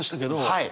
はい。